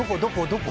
どこ？